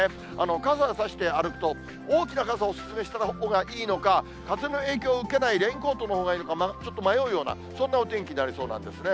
傘差して歩くと、大きな傘をお勧めしたほうがいいのか、風の影響受けないレインコートのほうがいいのか、ちょっと迷うような、そんなお天気になりそうなんですね。